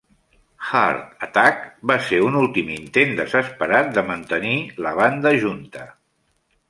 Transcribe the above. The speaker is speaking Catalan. "Heart Attack" va ser un últim intent desesperat de mantenir la banda junta.